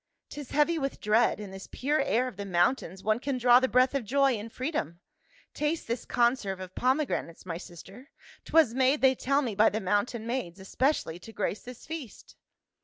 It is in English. " 'Tis heavy with dread ; in this pure air of the mountains one can draw the breath of joy and freedom. Taste this conserve of pomegranates, my sister ; 'twas made, they tell me, by the mountain maids, especially to grace this feast."